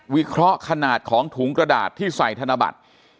วิเคราะห์ขนาดของถุงกระดาษที่ใส่ธนบัตร